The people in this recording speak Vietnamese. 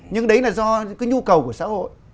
nhưng đấy là do cái nhu cầu của xã hội